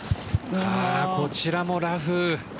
こちらもラフ。